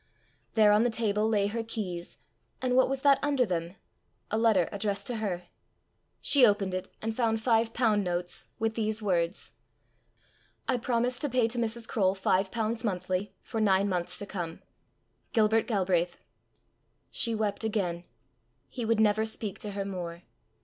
There on the table lay her keys; and what was that under them? A letter addressed to her. She opened it, and found five pound notes, with these words: "I promise to pay to Mrs. Croale five pounds monthly, for nine months to come. Gilbert Galbraith." She wept again. He would never speak to her more!